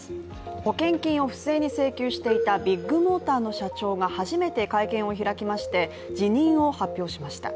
保険金を不正に請求していたビッグモーターの社長が初めて会見を開きまして辞任を発表しました。